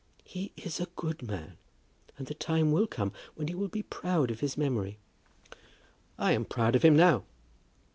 He is a good man, and the time will come when you will be proud of his memory." "I am proud of him now."